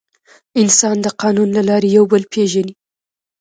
انسان د قانون له لارې یو بل پېژني.